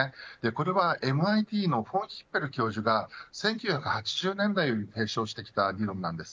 これはＭＩＴのフォンヒッペル教授が１９８０年代より提唱してきた理論です。